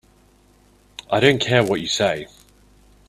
I don't care what you say.